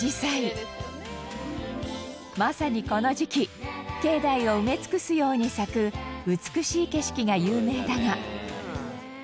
まさにこの時期境内を埋め尽くすように咲く美しい景色が有名だが。